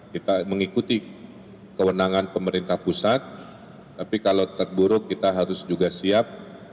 kita mengikuti kewenangan pemerintah pusat tapi kalau terburuk kita harus juga siap